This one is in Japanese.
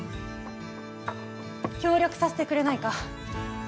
協力させてくれないか。